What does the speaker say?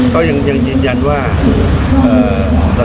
เขายังยังจีดยันว่าเอ่อ